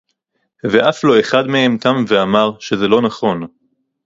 ואף לא אחד מהם קם ואמר שזה לא נכון